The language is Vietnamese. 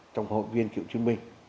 trong hội viên cựu chiến binh